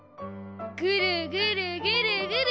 ぐるぐるぐるぐる。